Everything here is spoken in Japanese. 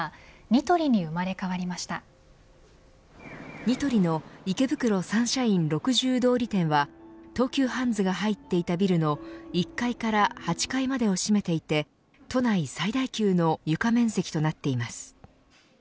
ニトリの池袋サンシャイン６０通り店は東急ハンズが入っていたビルの１階から８階までを占めていて都内最大級の床面積となっています。